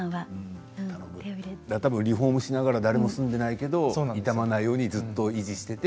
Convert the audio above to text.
たぶんリフォームしながら誰も住んでいないけど傷まないようにずっと維持していて。